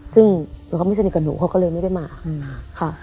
ซึ่งหนูเขาไม่สนิทกับหนูเขาก็เลยไม่ได้มาค่ะ